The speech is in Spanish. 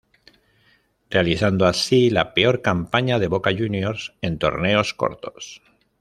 Realizando, así, la peor campaña de Boca Juniors en torneos cortos,